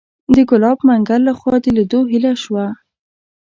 د ګلاب منګل لخوا د لیدو هیله شوه.